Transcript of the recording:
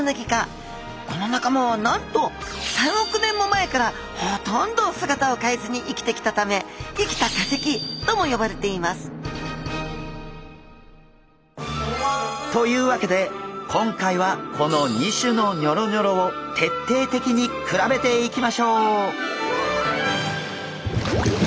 この仲間はなんと３億年も前からほとんど姿を変えずに生きてきたため生きた化石とも呼ばれていますというわけで今回はこの２種のニョロニョロを徹底的に比べていきましょう！